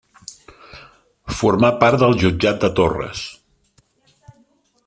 Formà part del Jutjat de Torres.